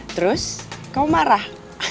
terus kamu marah